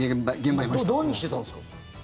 何してたんですか？